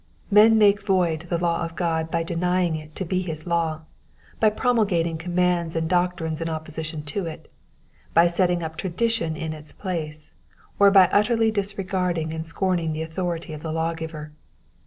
Men make void the law of God by denying it to be his law, by promulgating commands and doctrines in opposition to it, by setting up tradition m its place, or by utterly disregarding and scorning the authority of the lawgiver.